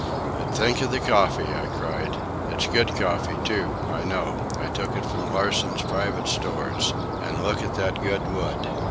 "But think of the coffee!" I cried. "It's good coffee, too, I know. I took it from Larsen's private stores. And look at that good wood."